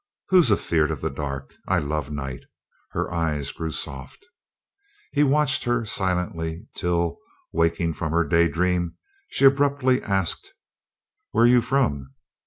"Who's a feared of the dark? I love night." Her eyes grew soft. He watched her silently, till, waking from her daydream, she abruptly asked: "Where you from?"